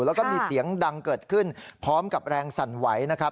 แล้วก็มีเสียงดังเกิดขึ้นพร้อมกับแรงสั่นไหวนะครับ